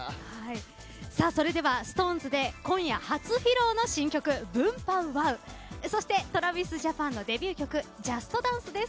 それではＳｉｘＴＯＮＥＳで今夜初披露の新曲「Ｂｏｏｍ‐Ｐｏｗ‐Ｗｏｗ！」そしてＴｒａｖｉｓＪａｐａｎのデビュー曲「ＪＵＳＴＤＡＮＣＥ！」です。